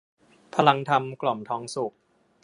พลังธรรม กล่อมทองสุข